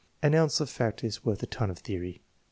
An ounce of fact is worth a ton of theory.